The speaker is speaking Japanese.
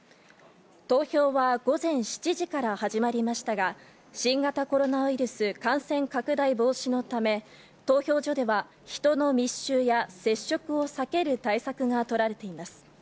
投票は午前７時から始まりましたが、新型コロナウイルス感染拡大防止のため、投票所では、人の密集や接触を避ける対策が取られています。